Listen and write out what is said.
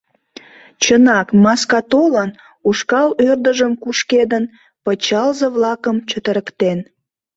Чынак, маска толын, ушкал ӧрдыжым кушкедын, пычалзе-влакым чытырыктен.